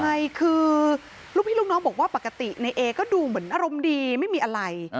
ใช่คือลูกพี่ลูกน้องบอกว่าปกติในเอก็ดูเหมือนอารมณ์ดีไม่มีอะไร